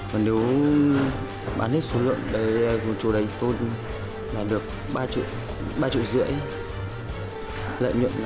và nếu bán hết số lượng để một chỗ đánh tôn là được ba triệu rưỡi lợi nhuận